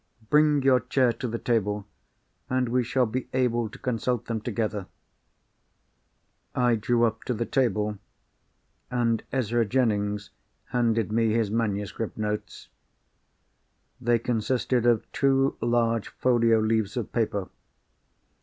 Bring your chair to the table, and we shall be able to consult them together." I drew up to the table; and Ezra Jennings handed me his manuscript notes. They consisted of two large folio leaves of paper.